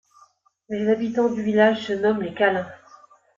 Les habitants du village se nomment les Câlins.